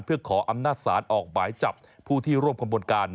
เพื่อขออำนาจศาลออกหมายจับผู้ที่ร่วมขบวนการ